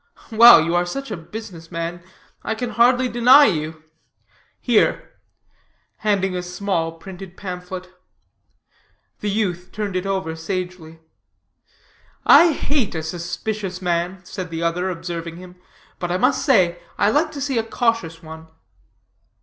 "Well, you are such a business man, I can hardly deny you. Here," handing a small, printed pamphlet. The youth turned it over sagely. "I hate a suspicious man," said the other, observing him; "but I must say I like to see a cautious one."